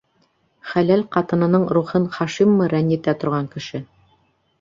Хәләл ҡатынының рухын Хашиммы рәнйетә торған кеше?